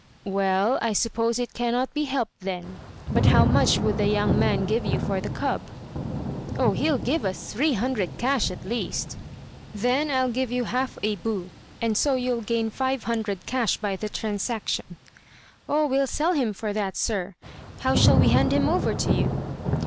"Well, I suppose it cannot be helped, then; but how much would the young man give you for the cub?" "Oh, he'll give us three hundred cash at least." "Then I'll give you half a bu; and so you'll gain five hundred cash by the transaction." "Oh, we'll sell him for that, sir. How shall we hand him over to you?"